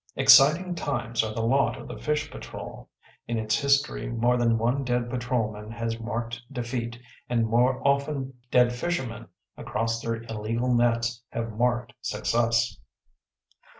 Exciting times are the lot of the fish patrol: in its history more than one dead patrolman has marked defeat, and more often dead fishermen across their illegal nets have marked success.